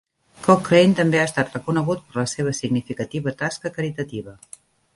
Cochrane també ha estat reconegut per la seva significativa tasca caritativa.